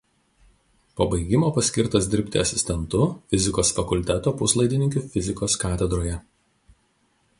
Po baigimo paskirtas dirbti asistentu Fizikos fakulteto Puslaidininkių fizikos katedroje.